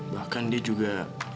bahkan dia juga